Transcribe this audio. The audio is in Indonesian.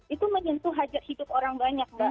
itu menyentuh hajat hidup orang banyak mbak